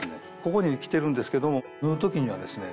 ここに来てるんですけども縫う時にはですね